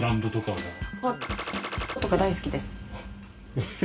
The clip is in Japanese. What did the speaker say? もうとか大好きです。